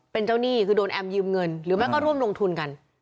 เป็นเจ้าหนี้คือโดนแอมยืมเงินหรือไม่ก็ร่วมลงทุนกัน